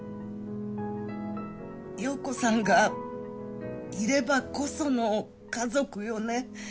陽子さんがいればこその家族よね。